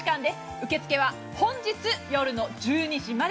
受け付けは本日夜の１２時まで。